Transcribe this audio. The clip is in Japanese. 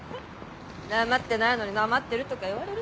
なまってないのになまってるとか言われるし。